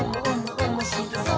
おもしろそう！」